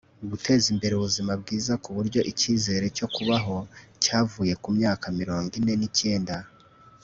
guteza imbere ubuzima bwiza kuburyo ikizere cyo kubaho cyavuye ku myaka mirongo ine n'icyenda